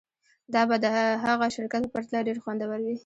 دا به د هغه شرکت په پرتله ډیر خوندور وي